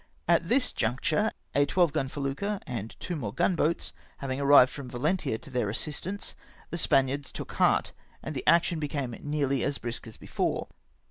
At this juncture, a twelve gun felucca, and two more gun boats having arrived from Valentia to theu" assistance, the Spaniards took heart, and the action became nearly as brisk as before.